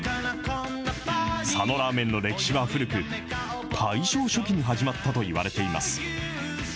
佐野らーめんの歴史は古く、大正初期に始まったといわれています。